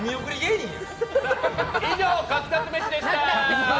以上、カツカツ飯でした。